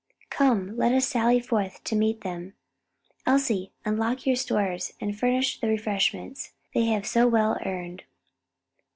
Come, let us sally forth to meet them. Elsie, unlock your stores and furnish the refreshments they have so well earned."